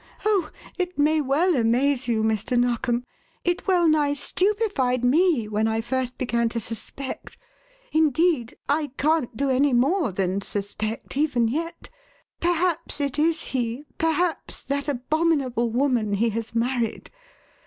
"Oh, it may well amaze you, Mr. Narkom. It well nigh stupefied me when I first began to suspect. Indeed, I can't do any more than suspect even yet. Perhaps it is he, perhaps that abominable woman he has married.